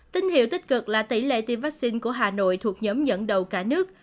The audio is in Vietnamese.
tin hiệu tích cực là tỷ lệ tiêm vaccine của hà nội thuộc nhóm dẫn đầu cả nước